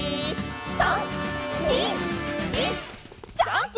「３・２・１」「ジャンプ！」